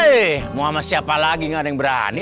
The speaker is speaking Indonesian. eh mau sama siapa lagi gak ada yang berani